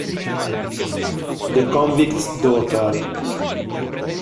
The Convict's Daughter